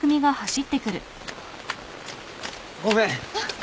ごめん！